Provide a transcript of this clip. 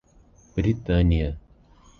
Britânia